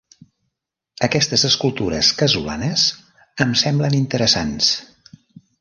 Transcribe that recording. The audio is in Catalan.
Aquestes escultures casolanes em semblen interessants.